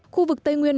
khu vực tây nguyên nói